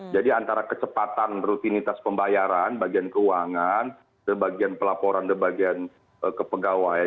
jadi antara kecepatan rutinitas pembayaran bagian keuangan bagian pelaporan bagian kepegawai